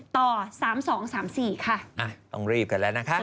ต้องรีบกันแล้วนะคะ